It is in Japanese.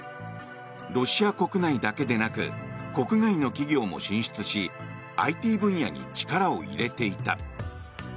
ロシア国内だけでなく国外の企業も進出しＩＴ分野に力を入れていた。